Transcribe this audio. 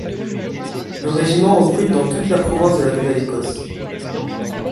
Le régiment recrute dans toute la province de la Nouvelle-Écosse.